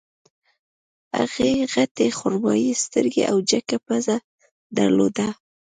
هغې غټې خرمايي سترګې او جګه پزه درلوده